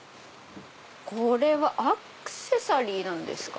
これはアクセサリーなんですか？